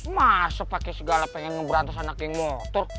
masa pake segala pengen ngeberantas anak yang motor